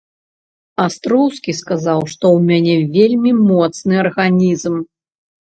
Астроўскі сказаў, што ў мяне вельмі моцны арганізм.